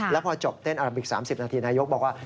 แล้วพอจบเต้นอาราบิก๓๐นาทีนายกบอกว่า